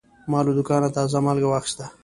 ما له دوکانه تازه مالګه واخیسته.